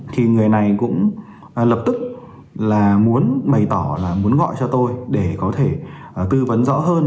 thì người này cũng lập tức là muốn bày tỏ là muốn gọi cho tôi để có thể tư vấn rõ hơn